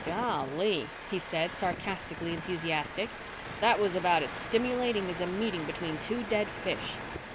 "Golly," he said, sarcastically enthusiastic, "that was about as stimulating as a meeting between two dead fish."